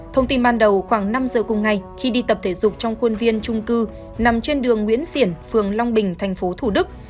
thông tin ban đầu khoảng năm giờ cùng ngày khi đi tập thể dục trong khuôn viên trung cư nằm trên đường nguyễn xiển phường long bình tp thủ đức